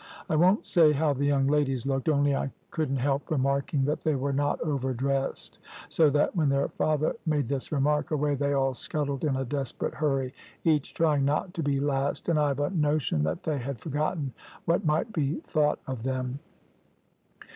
I won't say how the young ladies looked, only I couldn't help remarking that they were not over dressed, so that when their father made this remark, away they all scuttled in a desperate hurry, each trying not to be last, and I've a notion that they had forgotten what might be thought of them.